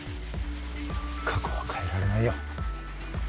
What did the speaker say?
過去は変えられないよ。